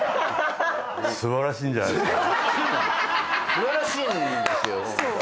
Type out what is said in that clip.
素晴らしいんですよ。